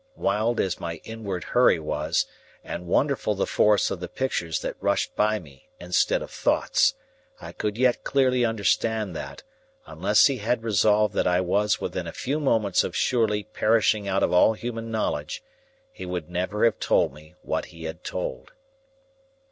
Wild as my inward hurry was, and wonderful the force of the pictures that rushed by me instead of thoughts, I could yet clearly understand that, unless he had resolved that I was within a few moments of surely perishing out of all human knowledge, he would never have told me what he had told.